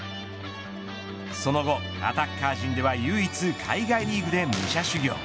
その後、アタッカー陣では唯一海外リーグで武者修行。